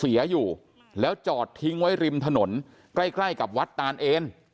เสียอยู่แล้วจอดทิ้งไว้ริมถนนใกล้ใกล้กับวัดตานเอน